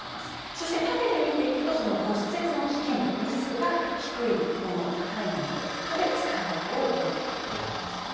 そして縦で見ていくとその骨折の危険度リスクが低いもの高いものとここで使い分けを行うということなんですね。